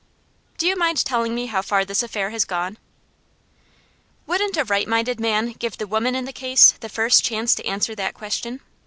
"Do you mind telling me how far this affair has gone?" "Wouldn't a right minded man give the woman in the case the first chance to answer that question?